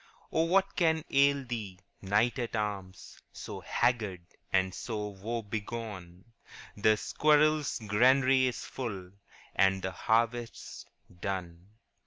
* Ah, what can ail thee, wretched wight, So haggard and so woe begone ? The squirrel's granary is full, And the harvest 's done.